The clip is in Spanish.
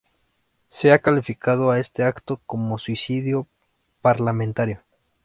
Se ha calificado a este acto como un suicidio parlamentario.